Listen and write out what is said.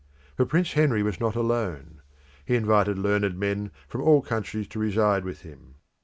But Prince Henry was not alone. He invited learned men from all countries to reside with him.